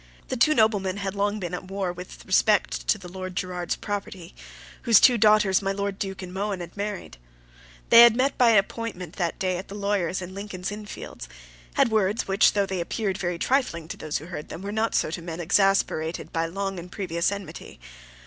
The two noblemen had long been at war with respect to the Lord Gerard's property, whose two daughters my Lord Duke and Mohun had married. They had met by appointment that day at the lawyer's in Lincoln's Inn Fields; had words which, though they appeared very trifling to those who heard them, were not so to men exasperated by long and previous enmity.